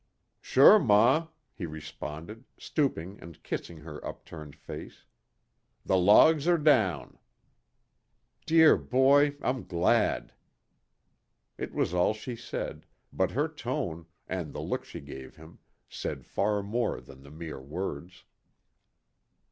"Sure, ma," he responded, stooping and kissing her upturned face. "The logs are down." "Dear boy, I'm glad." It was all she said, but her tone, and the look she gave him, said far more than the mere words.